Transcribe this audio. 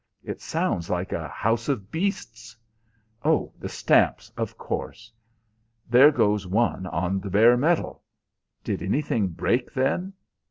It sounds like a house of beasts. Oh, the stamps, of course! There goes one on the bare metal. Did anything break then?"